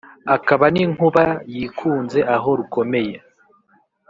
Akaba n’ inkuba yikunze aho rukomeye